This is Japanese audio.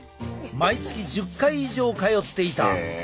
毎月１０回以上通っていた。